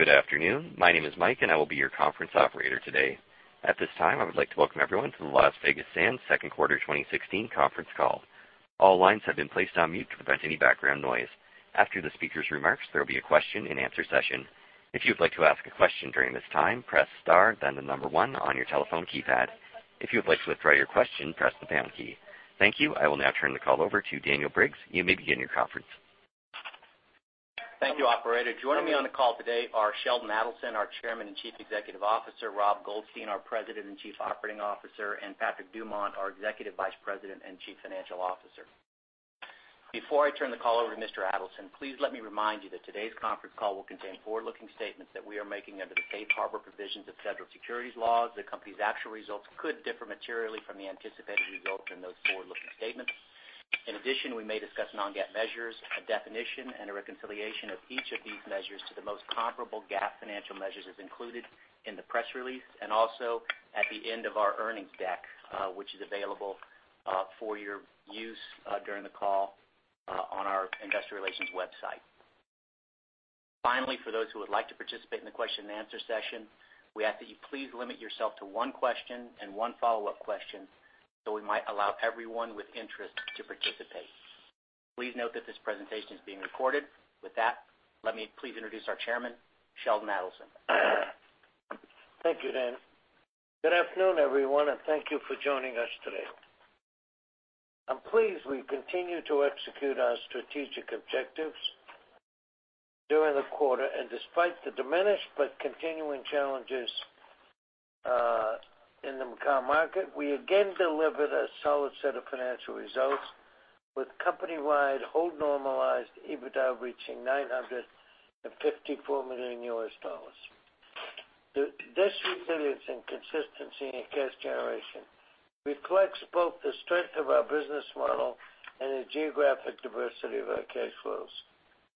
Good afternoon. My name is Mike, and I will be your conference operator today. At this time, I would like to welcome everyone to the Las Vegas Sands second quarter 2016 conference call. All lines have been placed on mute to prevent any background noise. After the speaker's remarks, there will be a question and answer session. If you would like to ask a question during this time, press star then 1 on your telephone keypad. If you would like to withdraw your question, press the pound key. Thank you. I will now turn the call over to Daniel Briggs. You may begin your conference. Thank you, operator. Joining me on the call today are Sheldon Adelson, our Chairman and Chief Executive Officer, Rob Goldstein, our President and Chief Operating Officer, and Patrick Dumont, our Executive Vice President and Chief Financial Officer. Before I turn the call over to Mr. Adelson, please let me remind you that today's conference call will contain forward-looking statements that we are making under the safe harbor provisions of federal securities laws. The company's actual results could differ materially from the anticipated results in those forward-looking statements. In addition, we may discuss non-GAAP measures. A definition and a reconciliation of each of these measures to the most comparable GAAP financial measures is included in the press release, and also at the end of our earnings deck, which is available for your use during the call on our investor relations website. Finally, for those who would like to participate in the question and answer session, we ask that you please limit yourself to one question and one follow-up question so we might allow everyone with interest to participate. Please note that this presentation is being recorded. With that, let me please introduce our chairman, Sheldon Adelson. Thank you, Dan. Good afternoon, everyone, and thank you for joining us today. I'm pleased we continue to execute our strategic objectives during the quarter. Despite the diminished but continuing challenges in the Macao market, we again delivered a solid set of financial results with company-wide hold-normalized EBITDA reaching $954 million. This resilience and consistency in cash generation reflects both the strength of our business model and the geographic diversity of our cash flows,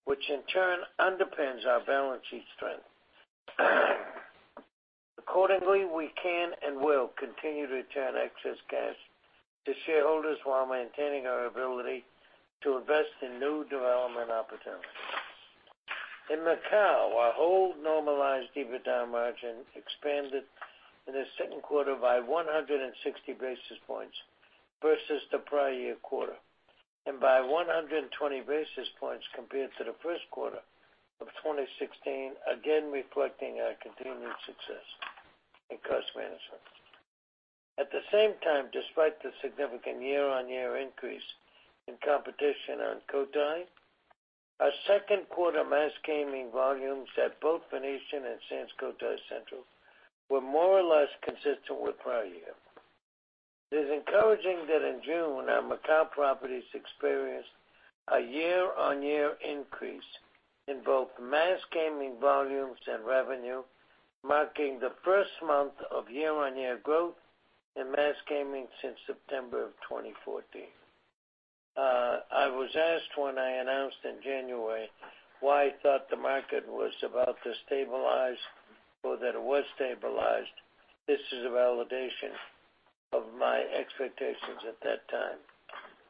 which in turn underpins our balance sheet strength. Accordingly, we can and will continue to return excess cash to shareholders while maintaining our ability to invest in new development opportunities. In Macao, our hold-normalized EBITDA margin expanded in the second quarter by 160 basis points versus the prior year quarter, and by 120 basis points compared to the first quarter of 2016, again reflecting our continued success in cost management. At the same time, despite the significant year-on-year increase in competition on Cotai, our second quarter mass gaming volumes at both The Venetian and Sands Cotai Central were more or less consistent with prior year. It is encouraging that in June, when our Macao properties experienced a year-on-year increase in both mass gaming volumes and revenue, marking the first month of year-on-year growth in mass gaming since September of 2014. I was asked when I announced in January why I thought the market was about to stabilize or that it was stabilized. This is a validation of my expectations at that time.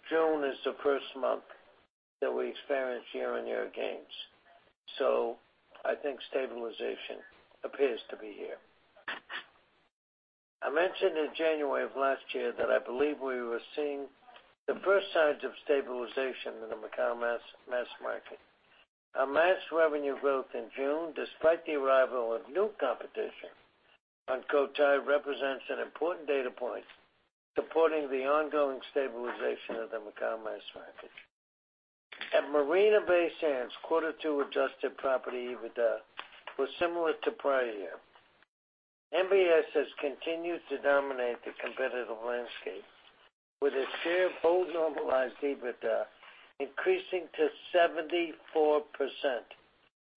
June is the first month that we experienced year-on-year gains. I think stabilization appears to be here. I mentioned in January of last year that I believe we were seeing the first signs of stabilization in the Macao mass market. Our mass revenue growth in June, despite the arrival of new competition on Cotai, represents an important data point supporting the ongoing stabilization of the Macao mass market. At Marina Bay Sands, quarter two adjusted property EBITDA was similar to prior year. MBS has continued to dominate the competitive landscape with its share of hold-normalized EBITDA increasing to 74%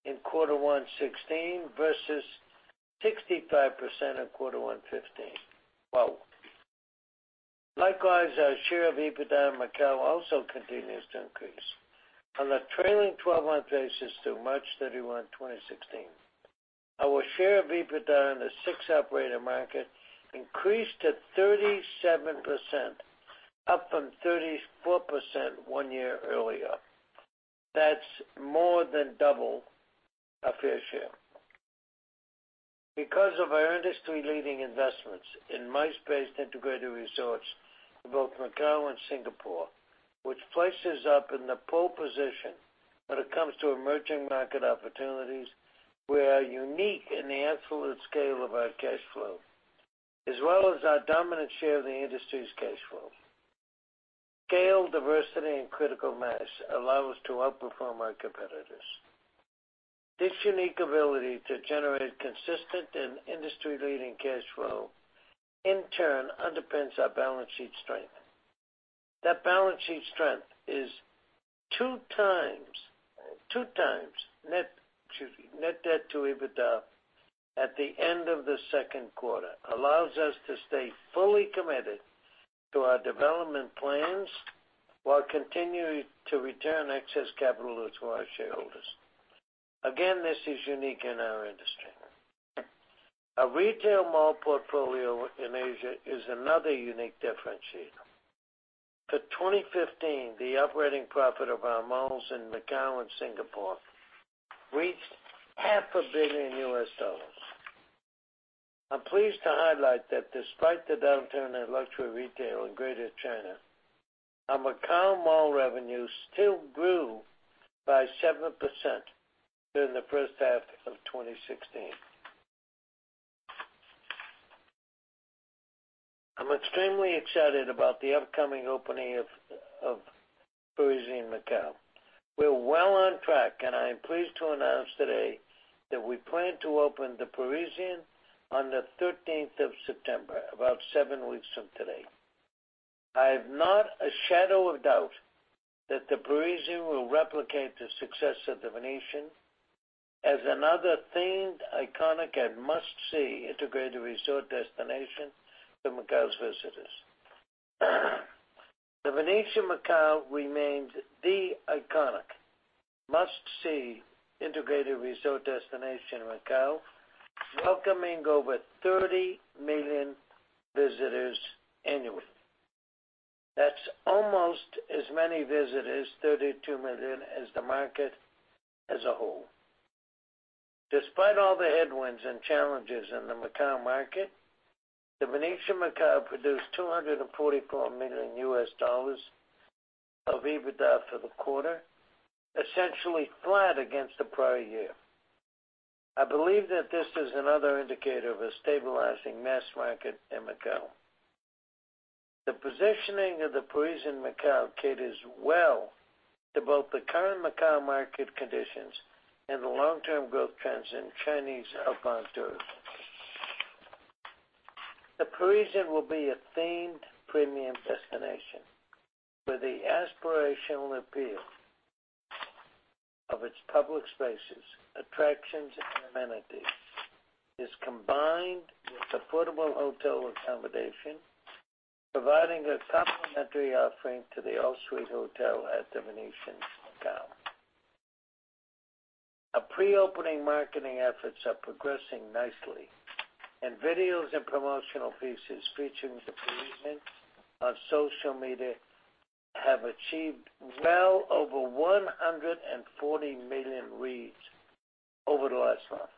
in quarter 16 versus 65% in quarter 15. Likewise, our share of EBITDA in Macao also continues to increase. On a trailing 12-month basis through March 31, 2016, our share of EBITDA in the six-operator market increased to 37%, up from 34% one year earlier. That's more than double our fair share. Because of our industry-leading investments in MICE-based integrated resorts in both Macao and Singapore, which places us in the pole position when it comes to emerging market opportunities, we are unique in the absolute scale of our cash flow, as well as our dominant share of the industry's cash flow. Scale, diversity, and critical mass allow us to outperform our competitors. This unique ability to generate consistent and industry-leading cash flow in turn underpins our balance sheet strength. That balance sheet strength is 2 times net debt to EBITDA at the end of the second quarter, allows us to stay fully committed to our development plans while continuing to return excess capital to our shareholders. Again, this is unique in our industry. Our retail mall portfolio in Asia is another unique differentiator. For 2015, the operating profit of our malls in Macao and Singapore reached half a billion US dollars. I'm pleased to highlight that despite the downturn in luxury retail in Greater China, our Macao mall revenue still grew by 7% during the first half of 2016. I'm extremely excited about the upcoming opening of The Parisian Macao. We're well on track, and I am pleased to announce today that we plan to open The Parisian on the 13th of September, about seven weeks from today. I have not a shadow of doubt that The Parisian will replicate the success of The Venetian as another themed, iconic, and must-see integrated resort destination for Macao's visitors. The Venetian Macao remains the iconic must-see integrated resort destination in Macao, welcoming over 30 million visitors annually. That's almost as many visitors, 32 million, as the market as a whole. Despite all the headwinds and challenges in the Macao market, The Venetian Macao produced $244 million of EBITDA for the quarter, essentially flat against the prior year. I believe that this is another indicator of a stabilizing mass market in Macao. The positioning of The Parisian Macao caters well to both the current Macao market conditions and the long-term growth trends in Chinese affluent tourists. The Parisian will be a themed premium destination, where the aspirational appeal of its public spaces, attractions, and amenities is combined with affordable hotel accommodation, providing a complementary offering to the all-suite hotel at The Venetian Macao. Our pre-opening marketing efforts are progressing nicely, and videos and promotional pieces featuring The Parisian on social media have achieved well over 140 million reads over the last month.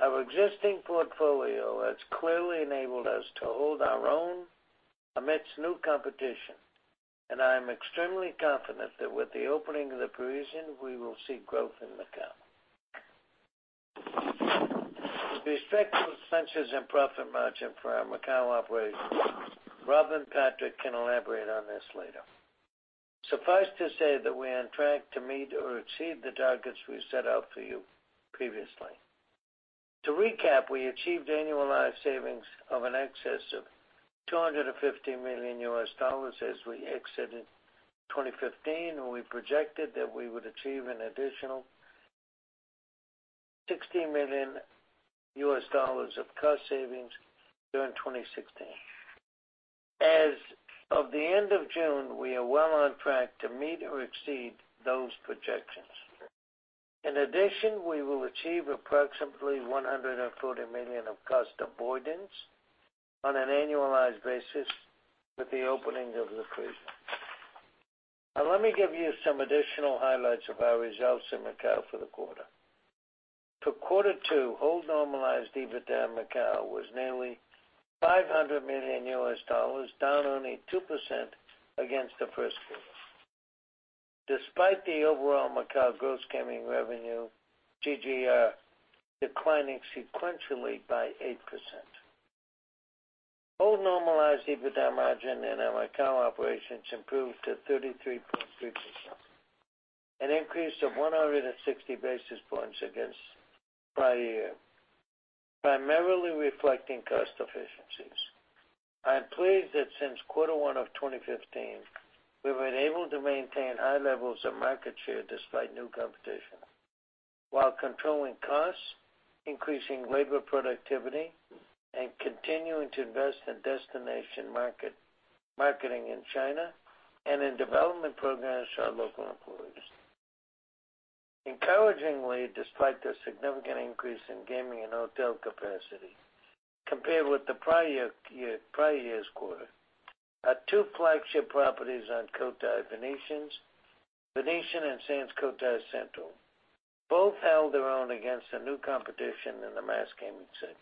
Our existing portfolio has clearly enabled us to hold our own amidst new competition. I am extremely confident that with the opening of The Parisian, we will see growth in Macao. With respect to expenses and profit margin for our Macao operations, Rob and Patrick can elaborate on this later. Suffice to say that we are on track to meet or exceed the targets we set out for you previously. To recap, we achieved annualized savings of an excess of $250 million as we exited 2015, and we projected that we would achieve an additional $60 million of cost savings during 2016. As of the end of June, we are well on track to meet or exceed those projections. In addition, we will achieve approximately $140 million of cost avoidance on an annualized basis with the opening of The Parisian. Now, let me give you some additional highlights of our results in Macao for the quarter. For quarter two, hold-normalized EBITDA in Macao was nearly $500 million, down only 2% against the first quarter, despite the overall Macao gross gaming revenue, GGR, declining sequentially by 8%. Hold-normalized EBITDA margin in our Macao operations improved to 33.3%, an increase of 160 basis points against prior year, primarily reflecting cost efficiencies. I am pleased that since quarter one of 2015, we have been able to maintain high levels of market share despite new competition, while controlling costs, increasing labor productivity, and continuing to invest in destination marketing in China and in development programs for our local employees. Encouragingly, despite the significant increase in gaming and hotel capacity compared with the prior year's quarter, our two flagship properties on Cotai, The Venetian and Sands Cotai Central, both held their own against the new competition in the mass gaming segment.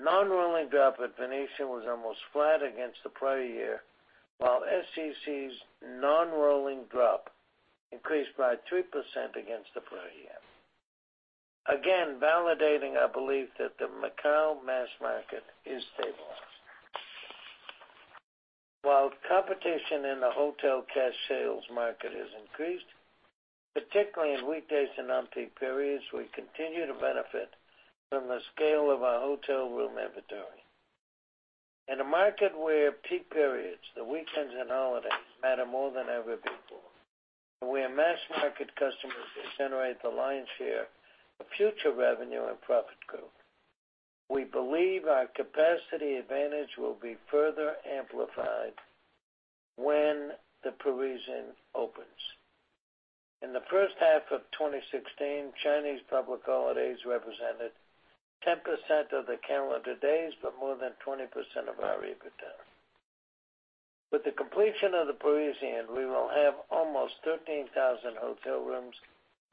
Non-rolling drop at The Venetian was almost flat against the prior year, while SCC's non-rolling drop increased by 3% against the prior year, again, validating our belief that the Macao mass market is stabilized. While competition in the hotel cash sales market has increased, particularly on weekdays and off-peak periods, we continue to benefit from the scale of our hotel room inventory. In a market where peak periods, the weekends and holidays, matter more than ever before, and where mass market customers generate the lion's share of future revenue and profit growth. We believe our capacity advantage will be further amplified when The Parisian opens. In the first half of 2016, Chinese public holidays represented 10% of the calendar days, but more than 20% of our revenue. With the completion of The Parisian, we will have almost 13,000 hotel rooms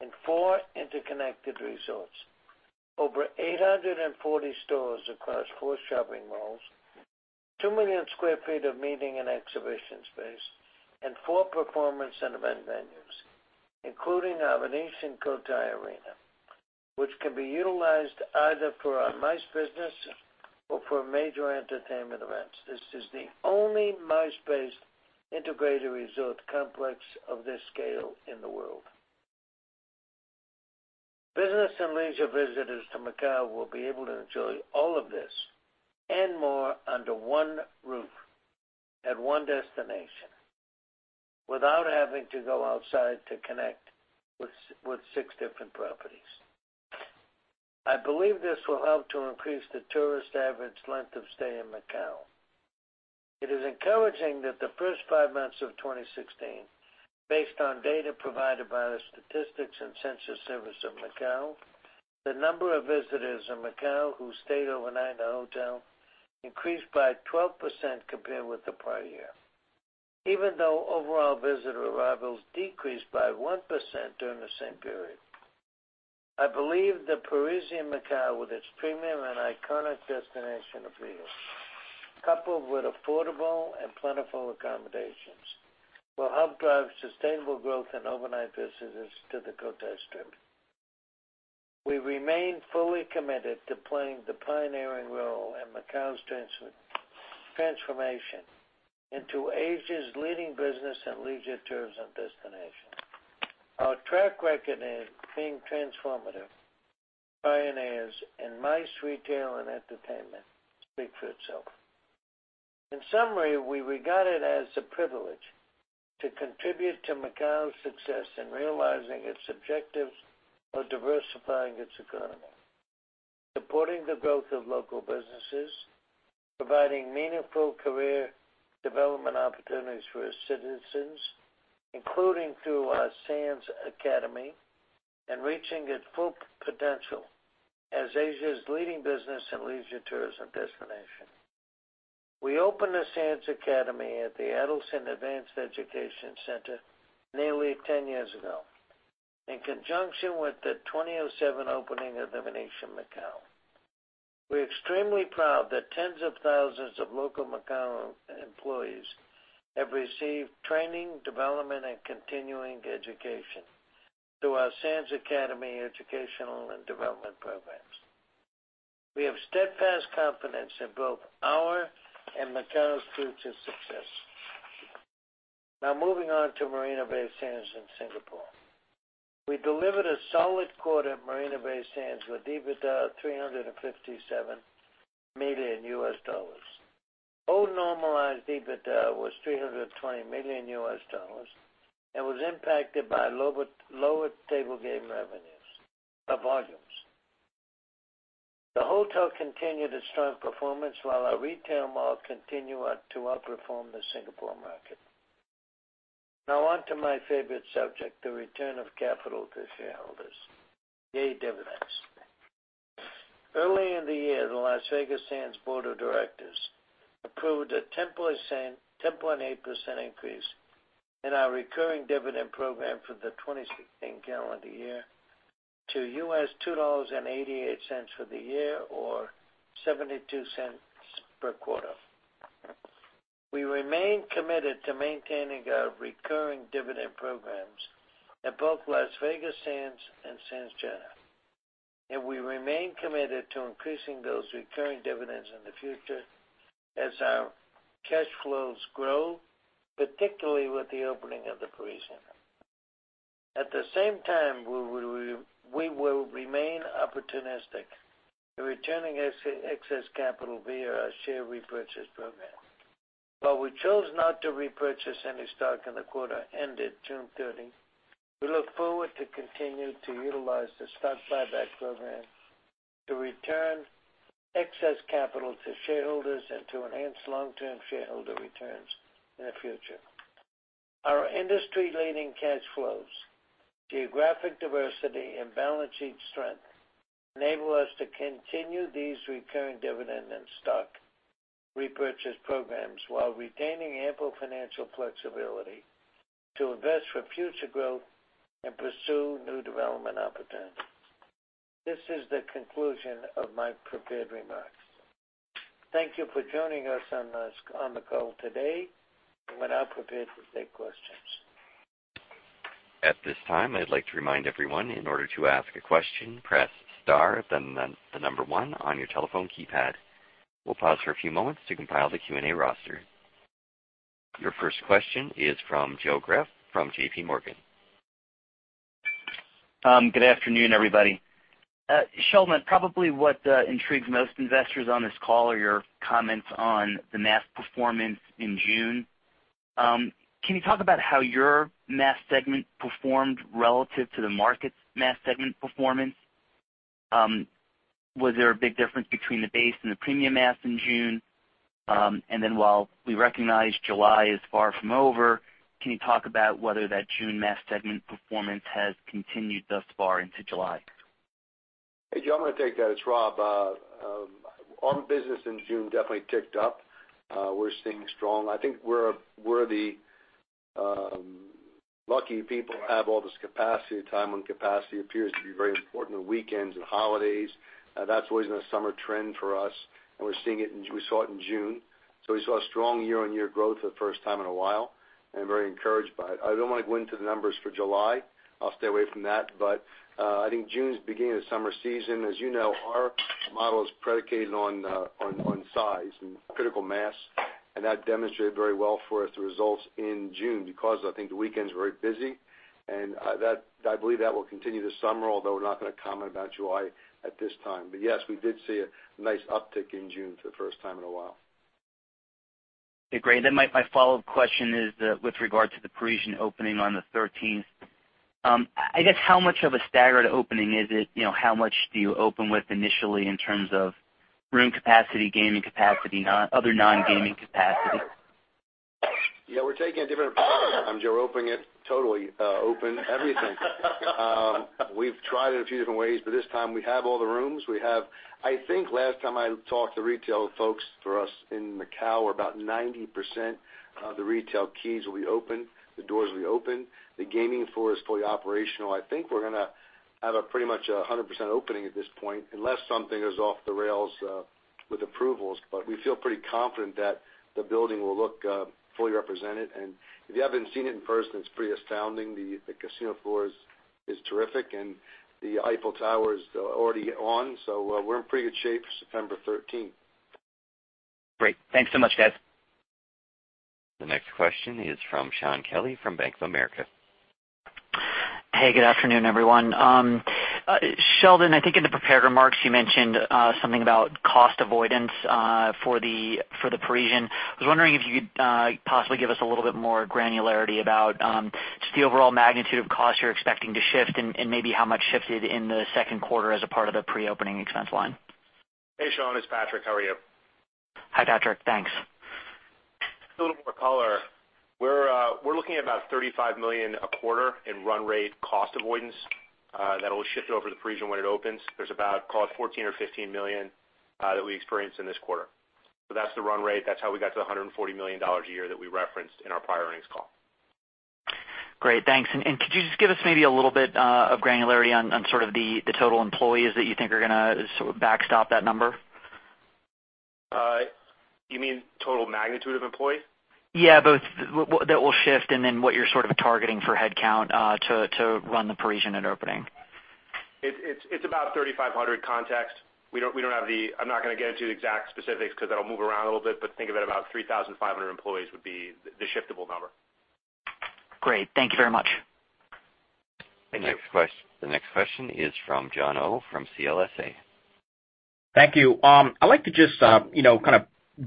in four interconnected resorts, over 840 stores across four shopping malls, 2 million sq ft of meeting and exhibition space, and four performance and event venues, including our Venetian Cotai Arena, which can be utilized either for our MICE business or for major entertainment events. This is the only MICE-based integrated resort complex of this scale in the world. Business and leisure visitors to Macau will be able to enjoy all of this and more under one roof at one destination, without having to go outside to connect with six different properties. I believe this will help to increase the tourist average length of stay in Macau. It is encouraging that the first five months of 2016, based on data provided by the Statistics and Census Service of Macau, the number of visitors in Macau who stayed overnight in a hotel increased by 12% compared with the prior year, even though overall visitor arrivals decreased by 1% during the same period. I believe The Parisian Macao, with its premium and iconic destination appeal, coupled with affordable and plentiful accommodations, will help drive sustainable growth in overnight visitors to the Cotai Strip. We remain fully committed to playing the pioneering role in Macau's transformation into Asia's leading business and leisure tourism destination. Our track record in being transformative pioneers in MICE, retail, and entertainment speaks for itself. In summary, we regard it as a privilege to contribute to Macau's success in realizing its objectives of diversifying its economy, supporting the growth of local businesses, providing meaningful career development opportunities for its citizens, including through our Sands Academy, and reaching its full potential as Asia's leading business and leisure tourism destination. We opened the Sands Academy at the Adelson Advanced Education Centre nearly 10 years ago in conjunction with the 2007 opening of The Venetian Macao. We're extremely proud that tens of thousands of local Macau employees have received training, development, and continuing education through our Sands Academy educational and development programs. We have steadfast confidence in both our and Macau's route to success. Moving on to Marina Bay Sands in Singapore. We delivered a solid quarter at Marina Bay Sands with EBITDA of $357 million. Hold-normalized EBITDA was $320 million and was impacted by lower table game revenues or volumes. The hotel continued its strong performance while our retail mall continued to outperform the Singapore market. On to my favorite subject, the return of capital to shareholders, the dividends. Early in the year, the Las Vegas Sands board of directors approved a 10.8% increase in our recurring dividend program for the 2016 calendar year to $2.88 for the year or $0.72 per quarter. We remain committed to maintaining our recurring dividend programs at both Las Vegas Sands and Sands China. We remain committed to increasing those recurring dividends in the future as our cash flows grow, particularly with the opening of The Parisian. At the same time, we will remain opportunistic in returning excess capital via our share repurchase program. While we chose not to repurchase any stock in the quarter ended June 30, we look forward to continue to utilize the stock buyback program to return excess capital to shareholders and to enhance long-term shareholder returns in the future. Our industry-leading cash flows, geographic diversity, and balance sheet strength enable us to continue these recurring dividend and stock repurchase programs while retaining ample financial flexibility to invest for future growth and pursue new development opportunities. This is the conclusion of my prepared remarks. Thank you for joining us on the call today. We're now prepared to take questions. At this time, I'd like to remind everyone, in order to ask a question, press star, then the number one on your telephone keypad. We'll pause for a few moments to compile the Q&A roster. Your first question is from Joseph Greff from JPMorgan Chase. Good afternoon, everybody. Sheldon, probably what intrigues most investors on this call are your comments on the mass performance in June? Can you talk about how your mass segment performed relative to the market's mass segment performance? Was there a big difference between the base and the premium mass in June? While we recognize July is far from over, can you talk about whether that June mass segment performance has continued thus far into July? Hey, Joe, I'm going to take that. It's Rob. Our business in June definitely ticked up. We're staying strong. I think we're the lucky people to have all this capacity. Time on capacity appears to be very important on weekends and holidays. That's always been a summer trend for us, and we saw it in June. We saw strong year-on-year growth for the first time in a while, and I'm very encouraged by it. I don't want to go into the numbers for July. I'll stay away from that. I think June's beginning of the summer season. As you know, our model is predicated on size and critical mass, and that demonstrated very well for us the results in June because I think the weekend's very busy, and I believe that will continue this summer, although we're not going to comment about July at this time. Yes, we did see a nice uptick in June for the first time in a while. My follow-up question is with regard to The Parisian Macao opening on the 13th. I guess how much of a staggered opening is it? How much do you open with initially in terms of room capacity, gaming capacity, other non-gaming capacity? Yeah, we're taking a different approach, Joe. We're opening it, totally open everything. We've tried it a few different ways, but this time we have all the rooms. I think last time I talked to retail folks for us in Macau, we're about 90% of the retail keys will be open, the doors will be open. The gaming floor is fully operational. I think we're going to have a pretty much 100% opening at this point unless something is off the rails with approvals. We feel pretty confident that the building will look fully represented. If you haven't seen it in person, it's pretty astounding. The casino floor is terrific and the Eiffel Tower is already on, so we're in pretty good shape for September 13th. Great. Thanks so much, guys. The next question is from Shaun Kelley from Bank of America. Hey, good afternoon, everyone. Sheldon, I think in the prepared remarks, you mentioned something about cost avoidance for The Parisian. I was wondering if you could possibly give us a little bit more granularity about just the overall magnitude of cost you're expecting to shift and maybe how much shifted in the second quarter as a part of the pre-opening expense line. Hey, Shaun, it's Patrick. How are you? Hi, Patrick. Thanks. Just a little more color. We're looking at about $35 million a quarter in run rate cost avoidance that will shift over to the Parisian when it opens. There's about, call it $14 or $15 million that we experienced in this quarter. That's the run rate. That's how we got to the $140 million a year that we referenced in our prior earnings call. Great, thanks. Could you just give us maybe a little bit of granularity on sort of the total employees that you think are going to backstop that number? You mean total magnitude of employees? Yeah, both that will shift and then what you're sort of targeting for headcount to run the Parisian at opening. It's about 3,500 contacts. I'm not going to get into the exact specifics because that'll move around a little bit, but think of it about 3,500 employees would be the shiftable number. Great. Thank you very much. Thank you. The next question is from Jon Oh from CLSA. Thank you. I'd like to just kind of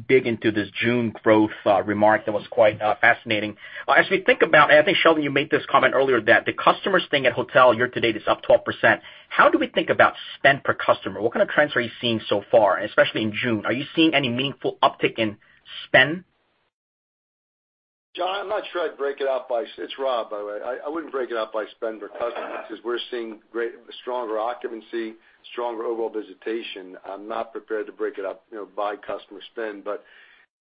dig into this June growth remark that was quite fascinating. As we think about, I think, Sheldon, you made this comment earlier that the customers staying at hotel year to date is up 12%. How do we think about spend per customer? What kind of trends are you seeing so far, especially in June? Are you seeing any meaningful uptick in spend? John, I'm not sure I'd break it up by-- It's Rob, by the way. I wouldn't break it up by spend per customer because we're seeing stronger occupancy, stronger overall visitation. I'm not prepared to break it up by customer spend, but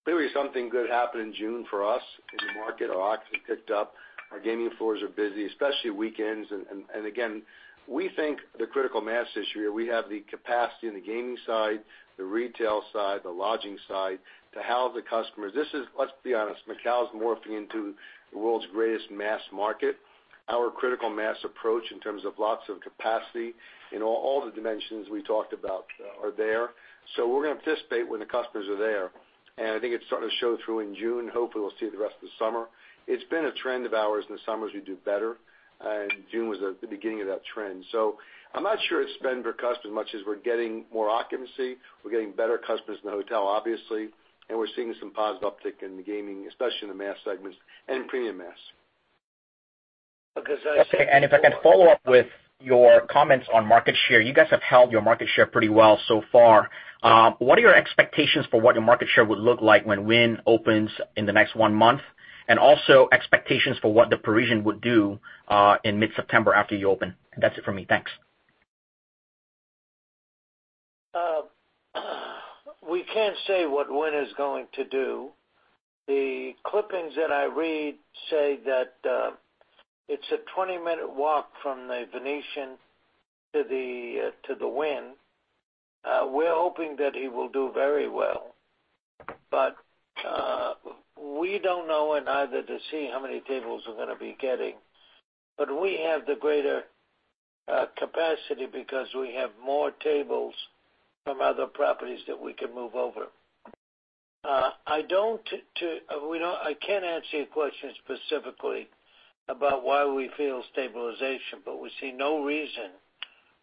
clearly, something good happened in June for us in the market. Our occupancy picked up. Our gaming floors are busy, especially weekends. Again, we think the critical mass this year, we have the capacity in the gaming side, the retail side, the lodging side to house the customers. Let's be honest, Macau is morphing into the world's greatest mass market. Our critical mass approach in terms of lots of capacity in all the dimensions we talked about are there. We're going to anticipate when the customers are there, I think it started to show through in June. Hopefully, we'll see it the rest of the summer. It's been a trend of ours. In the summers, we do better, June was the beginning of that trend. I'm not sure it's spend per customer as much as we're getting more occupancy, we're getting better customers in the hotel, obviously, we're seeing some positive uptick in the gaming, especially in the mass segments and in premium mass. Okay. If I can follow up with your comments on market share. You guys have held your market share pretty well so far. What are your expectations for what your market share would look like when Wynn opens in the next 1 month, also expectations for what The Parisian would do in mid-September after you open? That's it for me. Thanks. We can't say what Wynn is going to do. The clippings that I read say that it's a 20-minute walk from The Venetian to the Wynn. We're hoping that he will do very well. We don't know neither does he how many tables we're going to be getting. We have the greater capacity because we have more tables from other properties that we can move over. I can't answer your question specifically about why we feel stabilization, but we see no reason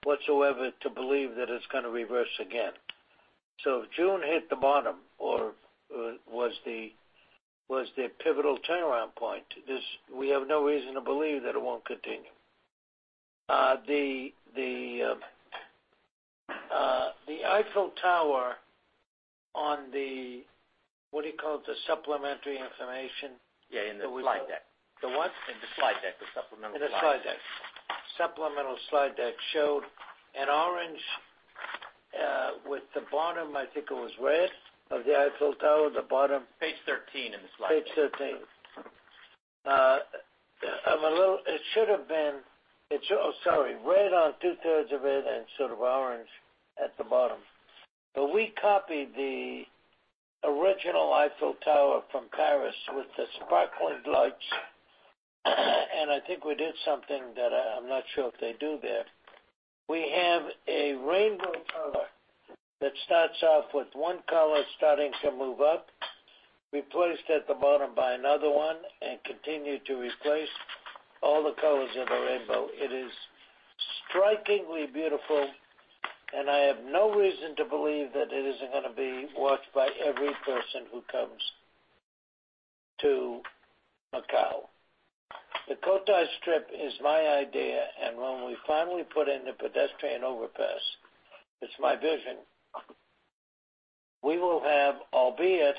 whatsoever to believe that it's going to reverse again. June hit the bottom or was the pivotal turnaround point. We have no reason to believe that it won't continue. The Eiffel Tower on the, what do you call it? The supplementary information. Yeah, in the slide deck. The what? In the slide deck, the supplemental slides. In the slide deck. Supplemental slide deck showed an orange, with the bottom, I think it was red of the Eiffel Tower, the bottom. Page 13 in the slide deck. Page 13. It should have been Oh, sorry. Red on two-thirds of it and sort of orange at the bottom. We copied the original Eiffel Tower from Paris with the sparkling lights, and I think we did something that I'm not sure if they do there. We have a rainbow color that starts off with one color starting to move up, replaced at the bottom by another one, and continue to replace all the colors of the rainbow. It is strikingly beautiful, and I have no reason to believe that it isn't going to be watched by every person who comes to Macau. The Cotai Strip is my idea, and when we finally put in the pedestrian overpass, it's my vision. We will have, albeit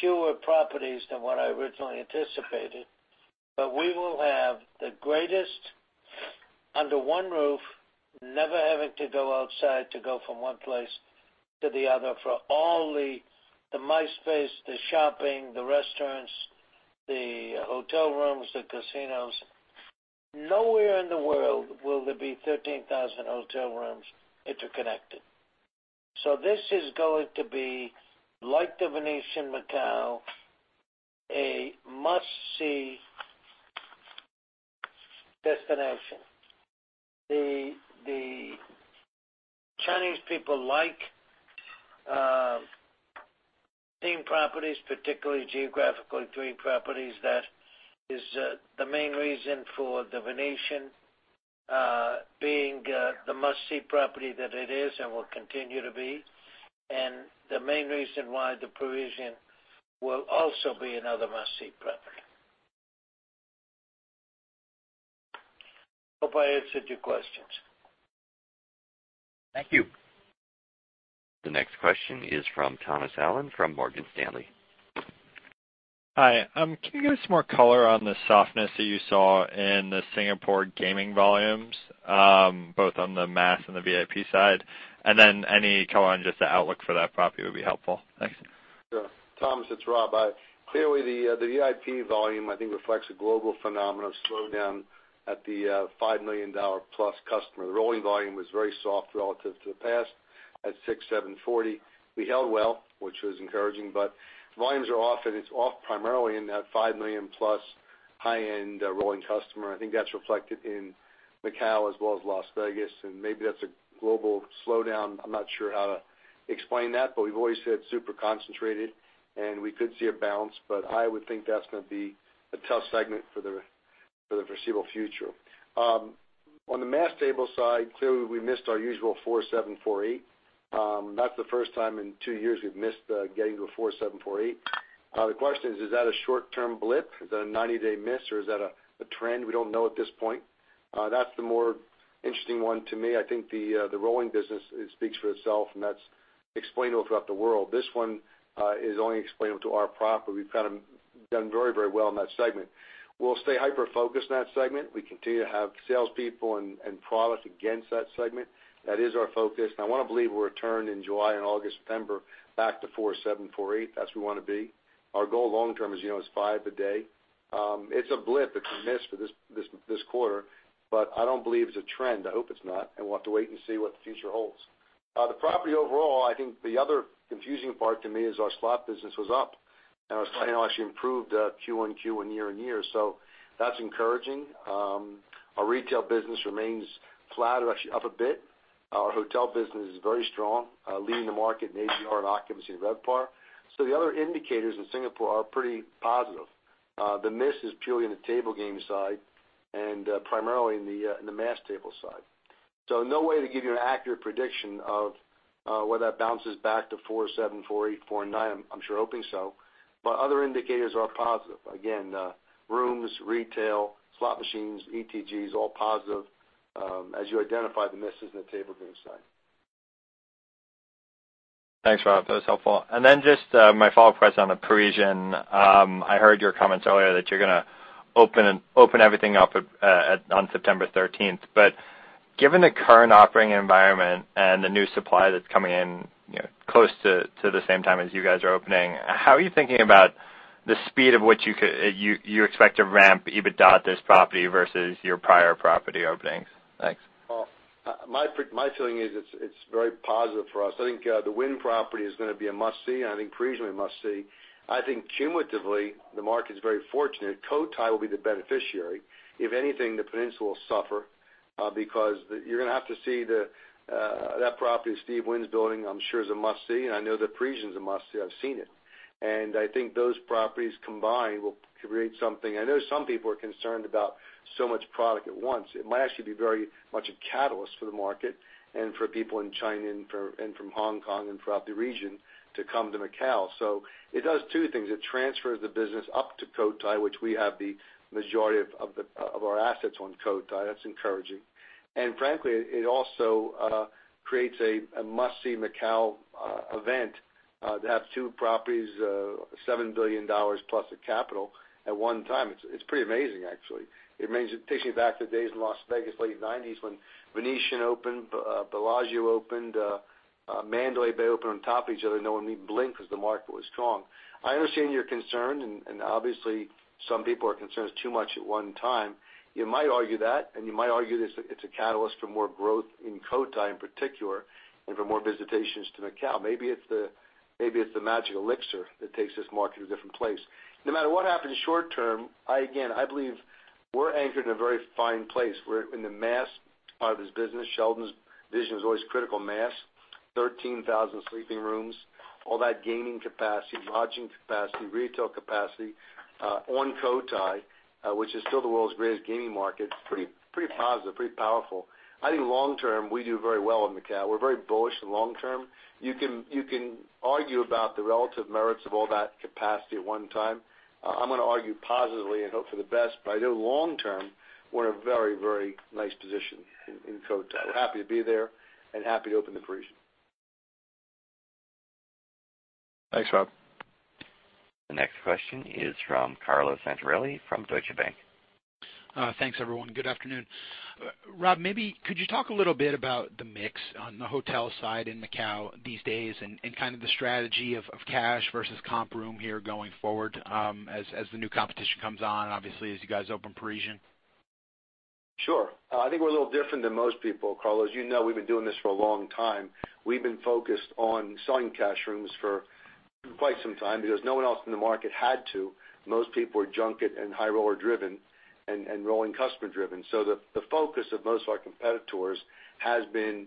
fewer properties than what I originally anticipated, but we will have the greatest under one roof, never having to go outside to go from one place to the other for all the MICE space, the shopping, the restaurants, the hotel rooms, the casinos. Nowhere in the world will there be 13,000 hotel rooms interconnected. This is going to be like The Venetian Macao, a must-see destination. The Chinese people like theme properties, particularly geographical theme properties. That is the main reason for The Venetian being the must-see property that it is and will continue to be, and the main reason why The Parisian Macao will also be another must-see property. Hope I answered your questions. Thank you. The next question is from Thomas Allen from Morgan Stanley. Hi. Can you give us more color on the softness that you saw in the Singapore gaming volumes, both on the mass and the VIP side? Any color on just the outlook for that property would be helpful. Thanks. Sure. Thomas, it's Rob. Clearly, the VIP volume, I think reflects a global phenomenon of slowdown at the $5 million-plus customer. The rolling volume was very soft relative to the past at 6,740. We held well, which was encouraging, volumes are off, and it's off primarily in that $5 million-plus high-end rolling customer. I think that's reflected in Macau as well as Las Vegas, and maybe that's a global slowdown. I'm not sure how to explain that, we've always said super concentrated, and we could see a bounce, but I would think that's going to be a tough segment for the foreseeable future. On the mass table side, clearly, we missed our usual 47, 48. That's the first time in two years we've missed getting to a 47, 48. The question is that a short-term blip? Is that a 90-day miss, or is that a trend? We don't know at this point. That's the more interesting one to me. I think the rolling business, it speaks for itself, that's explainable throughout the world. This one is only explainable to our property. We've kind of done very well in that segment. We'll stay hyper-focused in that segment. We continue to have salespeople and products against that segment. That is our focus, I want to believe we'll return in July and August, September back to 47, 48. That's where we want to be. Our goal long-term is five a day. It's a blip. It's a miss for this quarter, I don't believe it's a trend. I hope it's not, we'll have to wait and see what the future holds. The property overall, I think the other confusing part to me is our slot business was up, our slot business actually improved Q1 year-over-year. That's encouraging. Our retail business remains flat or actually up a bit. Our hotel business is very strong, leading the market in ADR and occupancy in RevPAR. The other indicators in Singapore are pretty positive. The miss is purely in the table game side and primarily in the mass table side. No way to give you an accurate prediction of whether that bounces back to 47, 48, 49. I'm sure hoping so. Other indicators are positive. Again, rooms, retail, slot machines, ETGs, all positive. As you identified, the miss is in the table game side. Thanks, Rob. That was helpful. Just my follow-up question on The Parisian. I heard your comments earlier that you're going to open everything up on September 13th. Given the current operating environment and the new supply that's coming in close to the same time as you guys are opening, how are you thinking about the speed of which you expect to ramp EBITDA at this property versus your prior property openings? Thanks. Well, my feeling is it's very positive for us. I think the Wynn property is going to be a must-see, and I think Parisian will be a must-see. I think cumulatively, the market is very fortunate. Cotai will be the beneficiary. If anything, the Peninsula will suffer. You're going to have to see that property Steve Wynn's building, I'm sure is a must-see, and I know the Parisian's a must-see. I've seen it. I think those properties combined will create something. I know some people are concerned about so much product at once. It might actually be very much a catalyst for the market and for people in China and from Hong Kong and throughout the region to come to Macau. It does two things. It transfers the business up to Cotai, which we have the majority of our assets on Cotai. That's encouraging. Frankly, it also creates a must-see Macau event to have two properties, $7 billion plus of capital at one time. It's pretty amazing, actually. It takes me back to the days in Las Vegas, late 1990s, when The Venetian opened, Bellagio opened, Mandalay Bay opened on top of each other. No one even blinked because the market was strong. I understand your concern, and obviously, some people are concerned it's too much at one time. You might argue that, and you might argue that it's a catalyst for more growth in Cotai in particular, and for more visitations to Macau. Maybe it's the magic elixir that takes this market to a different place. No matter what happens short term, I, again, I believe we're anchored in a very fine place. We're in the mass part of this business. Sheldon's vision was always critical mass, 13,000 sleeping rooms, all that gaming capacity, lodging capacity, retail capacity on Cotai, which is still the world's greatest gaming market. It's pretty positive, pretty powerful. I think long term, we do very well in Macau. We're very bullish in long term. You can argue about the relative merits of all that capacity at one time. I'm going to argue positively and hope for the best, but I know long term, we're in a very nice position in Cotai. We're happy to be there and happy to open the Parisian. Thanks, Rob. The next question is from Carlo Santarelli from Deutsche Bank. Thanks, everyone. Good afternoon. Rob, maybe could you talk a little bit about the mix on the hotel side in Macau these days and kind of the strategy of cash versus comp room here going forward as the new competition comes on, obviously, as you guys open Parisian? Sure. I think we're a little different than most people, Carlo. As you know, we've been doing this for a long time. We've been focused on selling cash rooms for quite some time because no one else in the market had to. Most people were junket and high roller driven and rolling customer driven. The focus of most of our competitors has been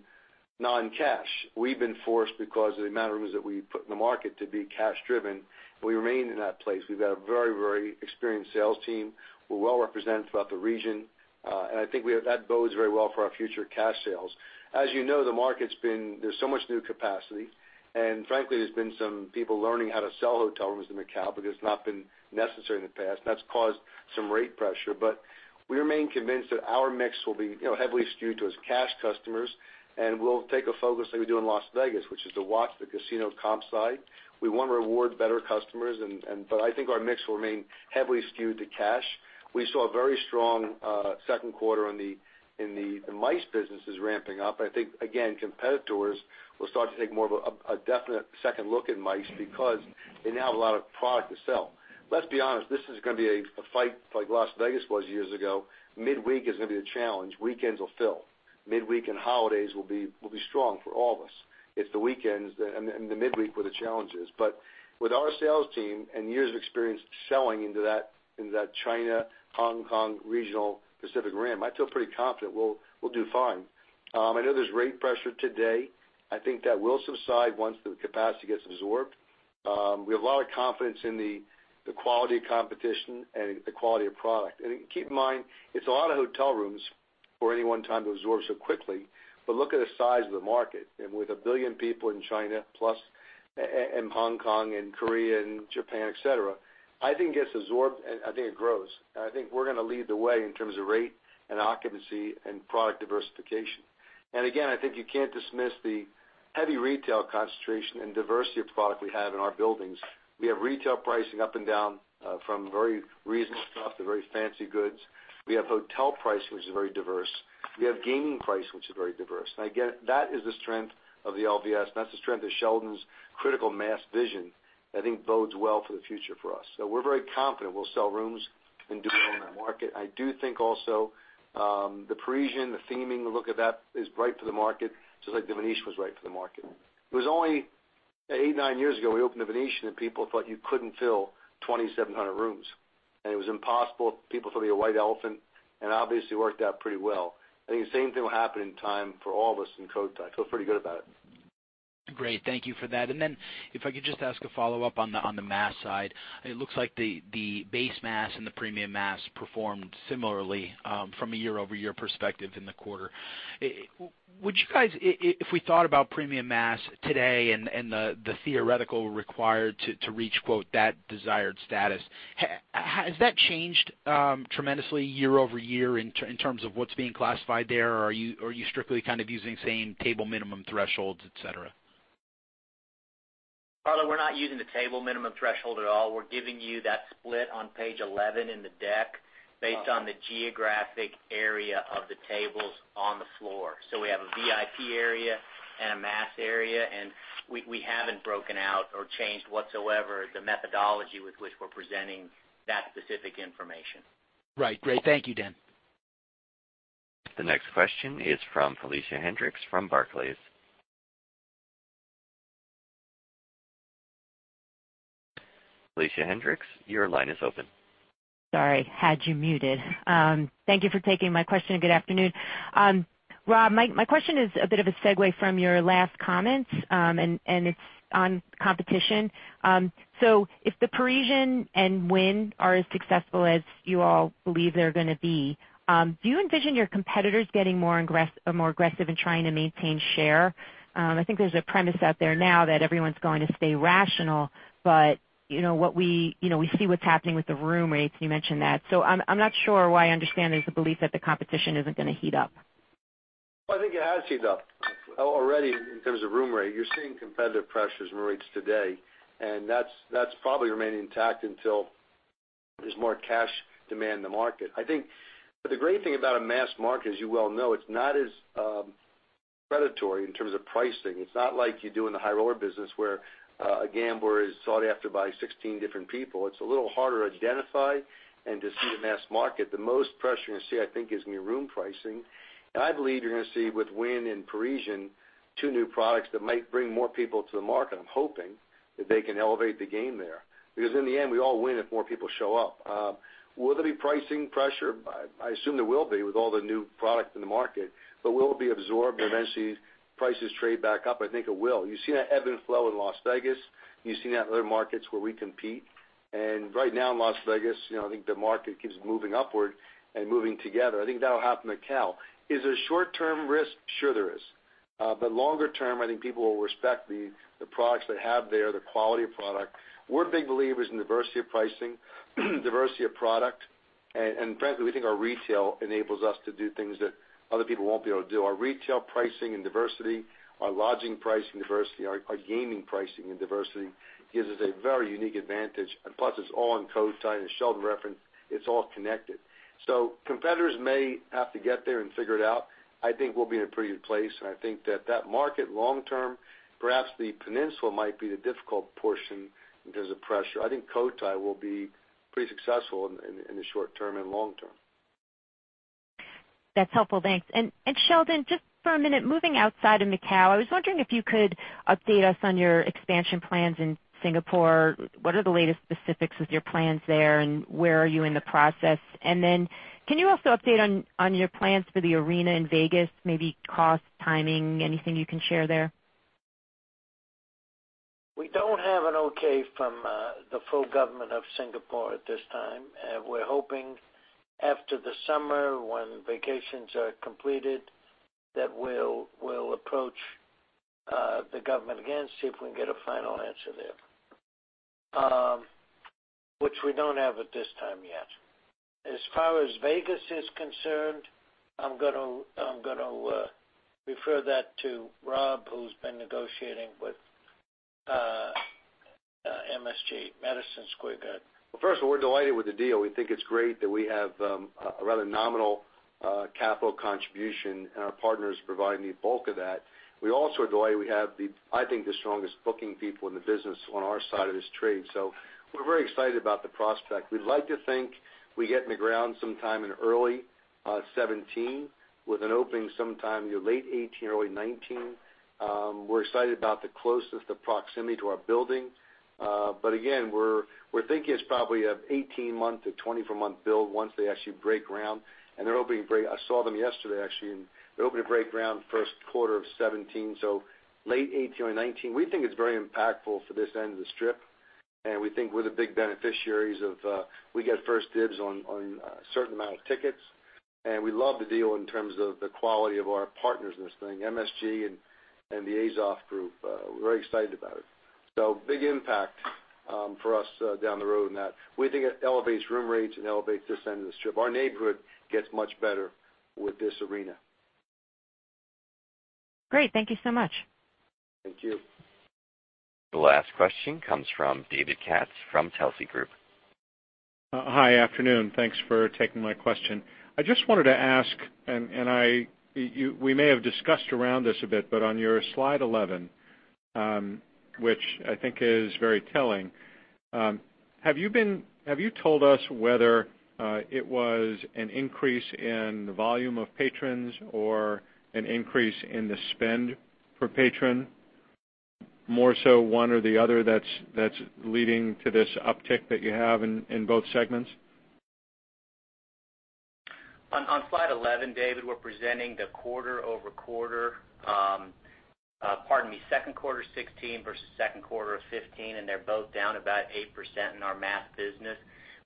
non-cash. We've been forced because of the amount of rooms that we put in the market to be cash driven. We remain in that place. We've got a very experienced sales team. We're well represented throughout the region. I think that bodes very well for our future cash sales. As you know, there's so much new capacity, and frankly, there's been some people learning how to sell hotel rooms in Macau because it's not been necessary in the past, and that's caused some rate pressure. We remain convinced that our mix will be heavily skewed to its cash customers, and we'll take a focus like we do in Las Vegas, which is to watch the casino comp side. We want to reward better customers, but I think our mix will remain heavily skewed to cash. We saw a very strong second quarter, the MICE business is ramping up. I think, again, competitors will start to take more of a definite second look at MICE because they now have a lot of product to sell. Let's be honest, this is going to be a fight like Las Vegas was years ago. Midweek is going to be a challenge. Weekends will fill. Midweek and holidays will be strong for all of us. It's the weekends and the midweek where the challenge is. With our sales team and years of experience selling into that China, Hong Kong, regional Pacific Rim, I feel pretty confident we'll do fine. I know there's rate pressure today. I think that will subside once the capacity gets absorbed. We have a lot of confidence in the quality of competition and the quality of product. Keep in mind, it's a lot of hotel rooms for any one time to absorb so quickly, but look at the size of the market. With 1 billion people in China plus, and Hong Kong and Korea and Japan, et cetera, I think it gets absorbed, and I think it grows. I think we're going to lead the way in terms of rate and occupancy and product diversification. Again, I think you can't dismiss the heavy retail concentration and diversity of product we have in our buildings. We have retail pricing up and down from very reasonable stuff to very fancy goods. We have hotel pricing, which is very diverse. We have gaming pricing, which is very diverse. Again, that is the strength of the LVS, and that's the strength of Sheldon's critical mass vision. I think bodes well for the future for us. We're very confident we'll sell rooms and do well in that market. I do think also The Parisian, the theming look at that is right for the market, just like The Venetian was right for the market. It was only eight, nine years ago, we opened The Venetian, and people thought you couldn't fill 2,700 rooms. It was impossible. People thought it'd be a white elephant, obviously, worked out pretty well. I think the same thing will happen in time for all of us in Cotai. I feel pretty good about it. Great. Thank you for that. Then if I could just ask a follow-up on the mass side. It looks like the base mass and the premium mass performed similarly from a year-over-year perspective in the quarter. Would you guys, if we thought about premium mass today and the theoretical required to reach "that desired status," has that changed tremendously year-over-year in terms of what's being classified there, or are you strictly kind of using the same table minimum thresholds, et cetera? Carlo, we're not using the table minimum threshold at all. We're giving you that split on page 11 in the deck based on the geographic area of the tables on the floor. We have a VIP area and a mass area, and we haven't broken out or changed whatsoever the methodology with which we're presenting that specific information. Right. Great. Thank you, Dan. The next question is from Felicia Hendrix from Barclays. Felicia Hendrix, your line is open. Sorry, had you muted. Thank you for taking my question. Good afternoon. Rob, my question is a bit of a segue from your last comments, and it's on competition. If The Parisian and Wynn are as successful as you all believe they're going to be, do you envision your competitors getting more aggressive in trying to maintain share? I think there's a premise out there now that everyone's going to stay rational, we see what's happening with the room rates, you mentioned that. I'm not sure why I understand there's a belief that the competition isn't going to heat up. I think it has heated up already in terms of room rate. You're seeing competitive pressures in room rates today. That's probably remaining intact until there's more cash demand in the market. The great thing about a mass market, as you well know, it's not as predatory in terms of pricing. It's not like you do in the high roller business where a gambler is sought after by 16 different people. It's a little harder to identify and to see the mass market. The most pressure you're going to see, I think, is going to be room pricing. I believe you're going to see with Wynn and Parisian, two new products that might bring more people to the market. I'm hoping that they can elevate the game there, because in the end, we all win if more people show up. Will there be pricing pressure? I assume there will be with all the new product in the market. Will it be absorbed and eventually prices trade back up? I think it will. You've seen that ebb and flow in Las Vegas. You've seen that in other markets where we compete. Right now in Las Vegas, I think the market keeps moving upward and moving together. I think that'll happen to Macau. Is there short-term risk? Sure there is. Longer term, I think people will respect the products they have there, the quality of product. We're big believers in diversity of pricing, diversity of product. Frankly, we think our retail enables us to do things that other people won't be able to do. Our retail pricing and diversity, our lodging pricing diversity, our gaming pricing and diversity gives us a very unique advantage. Plus, it's all in Cotai, as Sheldon referenced, it's all connected. Competitors may have to get there and figure it out. I think we'll be in a pretty good place. I think that that market long term, perhaps the Peninsula might be the difficult portion in terms of pressure. I think Cotai will be pretty successful in the short term and long term. That's helpful. Thanks. Sheldon, just for a minute, moving outside of Macau, I was wondering if you could update us on your expansion plans in Singapore. What are the latest specifics with your plans there, and where are you in the process? Can you also update on your plans for the arena in Vegas, maybe cost, timing, anything you can share there? We don't have an okay from the full government of Singapore at this time. We're hoping after the summer, when vacations are completed, that we'll approach the government again, see if we can get a final answer there, which we don't have at this time yet. As far as Vegas is concerned, I'm going to refer that to Rob, who's been negotiating with MSG, Madison Square Garden. First of all, we're delighted with the deal. We think it's great that we have a rather nominal capital contribution, our partners provide me the bulk of that. We also are delighted we have, I think, the strongest booking people in the business on our side of this trade. We're very excited about the prospect. We'd like to think we get in the ground sometime in early 2017 with an opening sometime late 2018, early 2019. We're excited about the closeness, the proximity to our building. Again, we're thinking it's probably an 18-month to 24-month build once they actually break ground. I saw them yesterday, actually, and they're hoping to break ground the first quarter of 2017, so late 2018 or 2019. We think it's very impactful for this end of the Strip. We think we're the big beneficiaries. We get first dibs on a certain amount of tickets. We love the deal in terms of the quality of our partners in this thing, MSG and The Azoff Company. We're very excited about it. Big impact for us down the road in that. We think it elevates room rates and elevates this end of the Strip. Our neighborhood gets much better with this arena. Great. Thank you so much. Thank you. The last question comes from David Katz from Telsey Group. Hi, afternoon. Thanks for taking my question. I just wanted to ask, we may have discussed around this a bit, but on your slide 11, which I think is very telling, have you told us whether it was an increase in the volume of patrons or an increase in the spend per patron, more so one or the other that's leading to this uptick that you have in both segments? On slide 11, David, we're presenting the quarter-over-quarter. Pardon me, second quarter 2016 versus second quarter of 2015. They're both down about 8% in our mass business.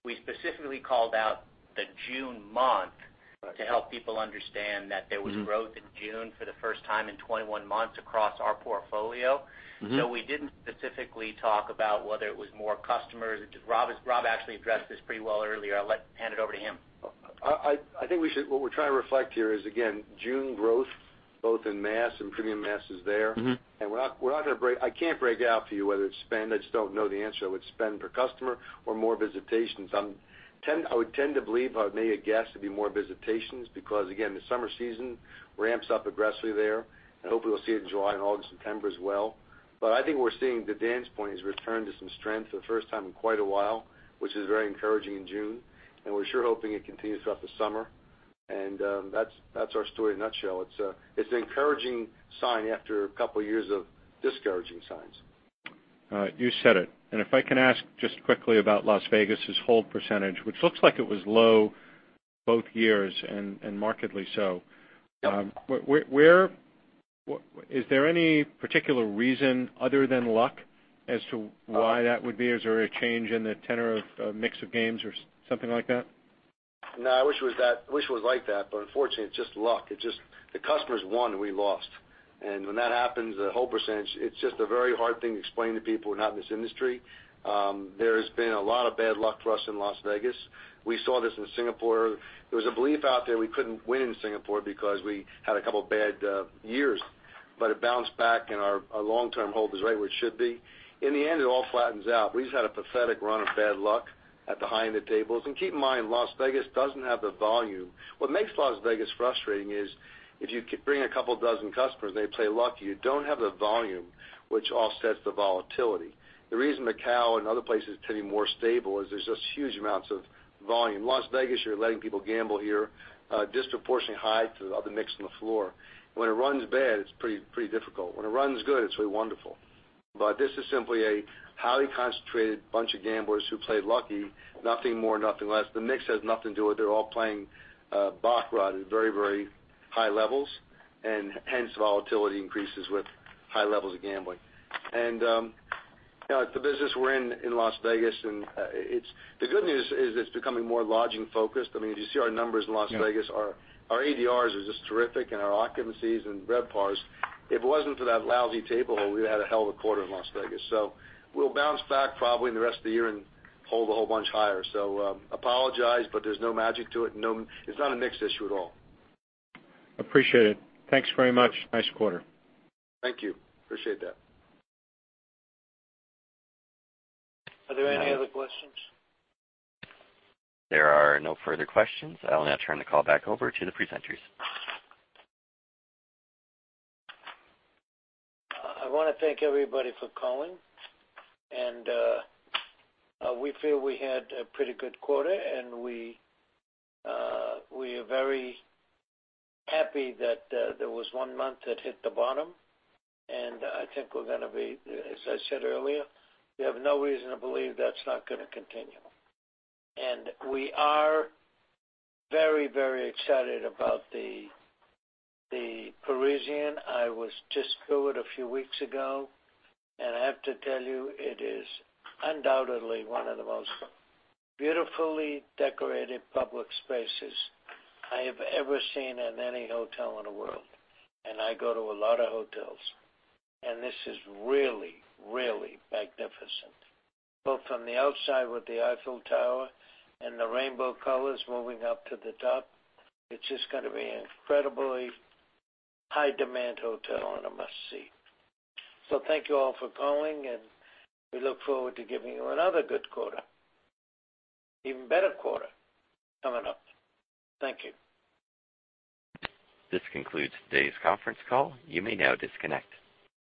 We specifically called out the June month to help people understand that there was growth in June for the first time in 21 months across our portfolio. We didn't specifically talk about whether it was more customers. Rob actually addressed this pretty well earlier. I'll hand it over to him. I think what we're trying to reflect here is, again, June growth, both in mass and premium mass, is there. I can't break out for you whether it's spend. I just don't know the answer. It's spend per customer or more visitations. I would tend to believe, I may have guessed, it'd be more visitations because, again, the summer season ramps up aggressively there, and hopefully we'll see it in July and August, September as well. I think what we're seeing, Dan's point has returned to some strength for the first time in quite a while, which is very encouraging in June. We're sure hoping it continues throughout the summer. That's our story in a nutshell. It's an encouraging sign after a couple of years of discouraging signs. All right. You said it. If I can ask just quickly about Las Vegas' hold percentage, which looks like it was low both years, and markedly so. Yep. Is there any particular reason other than luck as to why that would be? Is there a change in the tenor of mix of games or something like that? No, I wish it was like that, but unfortunately, it's just luck. The customers won, we lost. When that happens, the hold percentage, it's just a very hard thing to explain to people who are not in this industry. There has been a lot of bad luck for us in Las Vegas. We saw this in Singapore. There was a belief out there we couldn't win in Singapore because we had a couple of bad years, but it bounced back and our long-term hold is right where it should be. In the end, it all flattens out. We just had a pathetic run of bad luck at the high-end tables. Keep in mind, Las Vegas doesn't have the volume. What makes Las Vegas frustrating is if you could bring a couple dozen customers and they play lucky, you don't have the volume which offsets the volatility. The reason Macau and other places tend to be more stable is there's just huge amounts of volume. Las Vegas, you're letting people gamble here disproportionately high to the other mix on the floor. When it runs bad, it's pretty difficult. When it runs good, it's really wonderful. This is simply a highly concentrated bunch of gamblers who play lucky. Nothing more, nothing less. The mix has nothing to do with it. They're all playing baccarat at very high levels, hence volatility increases with high levels of gambling. It's a business we're in Las Vegas, and the good news is it's becoming more lodging focused. If you see our numbers in Las Vegas- Yeah our ADRs are just terrific and our occupancies and RevPARs. If it wasn't for that lousy table hold, we would've had a hell of a quarter in Las Vegas. We'll bounce back probably in the rest of the year and hold a whole bunch higher. Apologize, but there's no magic to it. It's not a mix issue at all. Appreciate it. Thanks very much. Nice quarter. Thank you. Appreciate that. Are there any other questions? There are no further questions. I'll now turn the call back over to the presenters. I want to thank everybody for calling. We feel we had a pretty good quarter. We are very happy that there was one month that hit the bottom, and I think we're going to be, as I said earlier, we have no reason to believe that's not going to continue. We are very excited about The Parisian. I was just through it a few weeks ago, and I have to tell you, it is undoubtedly one of the most beautifully decorated public spaces I have ever seen in any hotel in the world, and I go to a lot of hotels. This is really magnificent, both from the outside with the Eiffel Tower and the rainbow colors moving up to the top. It's just going to be an incredibly high demand hotel and a must-see. Thank you all for calling. We look forward to giving you another good quarter, even better quarter coming up. Thank you. This concludes today's conference call. You may now disconnect.